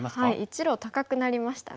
１路高くなりましたね。